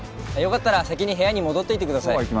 よかったら先に部屋に戻っていてください。